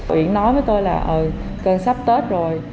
uyển nói với tôi là ở cơn sắp tết rồi